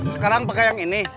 sekarang pakai yang ini